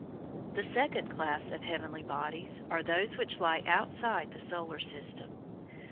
The second class of heavenly bodies are those which lie outside the solar system.